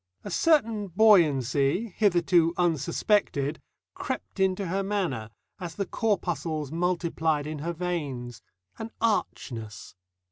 A certain buoyancy, hitherto unsuspected, crept into her manner, as the corpuscles multiplied in her veins an archness.